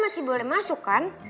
masih boleh masuk kan